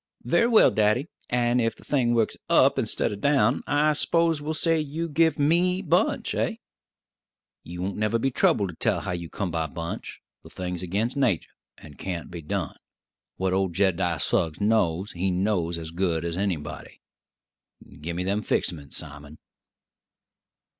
"Very well, daddy; and ef the thing works up instid o' down, I s'pose we'll say you give me Bunch, eh?" "You won't never be troubled to tell how you come by Bunch; the thing's agin nater, and can't be done. What old Jed'diah Suggs knows, he knows as good as anybody. Give me them fix ments, Simon."